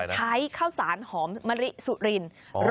ใช้ข้าวสารหอมมะลิสุรินทร์